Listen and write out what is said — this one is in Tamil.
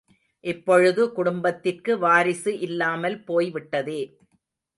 இப்பொழுது குடும்பத்திற்கு வாரிசு இல்லாமல் போய்விட்டதே.